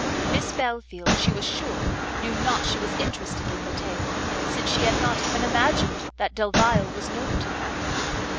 Miss Belfield, she was sure, knew not she was interested in the tale, since she had not even imagined that Delvile was known to her.